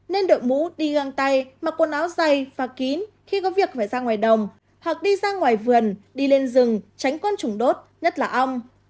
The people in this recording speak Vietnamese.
nên đội mũ đi găng tay mặc quần áo dày và kín khi có việc phải ra ngoài đồng hoặc đi ra ngoài vườn đi lên rừng tránh quân chủng đốt nhất là ong